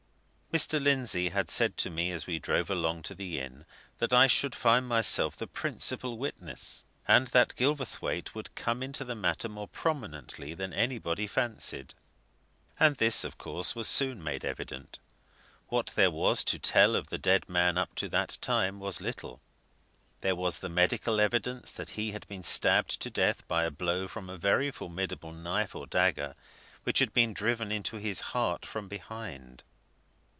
Mr. Lindsey had said to me as we drove along to the inn that I should find myself the principal witness, and that Gilverthwaite would come into the matter more prominently than anybody fancied. And this, of course, was soon made evident. What there was to tell of the dead man, up to that time, was little. There was the medical evidence that he had been stabbed to death by a blow from a very formidable knife or dagger, which had been driven into his heart from behind.